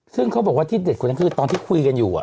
ซึ่งเขาบอกว่าที่เด็ดกว่านั้นคือตอนที่คุยกันอยู่